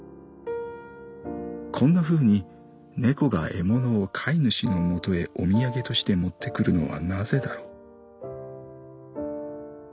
こんなふうに猫が獲物を飼い主のもとへお土産として持ってくるのはなぜだろう」。